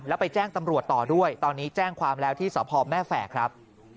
แล้วไปแจ้งตำรวจต่อด้วยตอนนี้แจ้งความแล้วที่สพแม่แฝกครับ